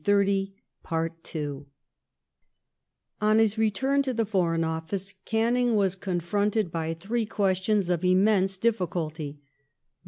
I On his return to the Foreign Office Canning was confronted Canning's by three questions of immense difficulty— the.